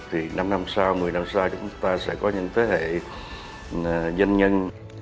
thì năm năm sau một mươi năm sau chúng ta sẽ có những thế hệ doanh nhân